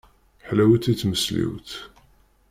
Ḥlawit i tmesliwt.